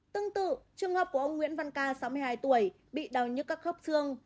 tương tự trường hợp của ông nguyễn văn k sáu mươi hai tuổi bị đau nhức các khớp xương